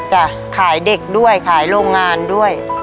ขายเด็กด้วยขายโรงงานด้วย